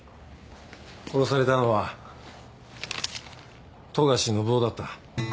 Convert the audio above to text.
殺されたのは富樫伸生だった。